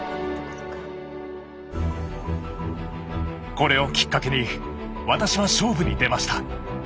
これをきっかけに私は勝負に出ました。